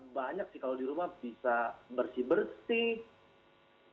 banyak sih kalau di rumah bisa bersih bersih